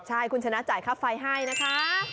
ใช่คุณชนะจ่ายค่าไฟให้นะคะ